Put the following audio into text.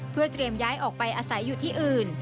เพื่อเตรียมย้ายออกไปอาศัยอยู่ที่อื่น